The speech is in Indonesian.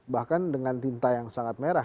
bahkan dengan tinta yang sangat merah